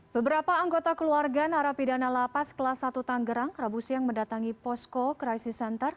beberapa anggota keluarga narapidana lapas kelas satu tanggerang rabu siang mendatangi posko crisis center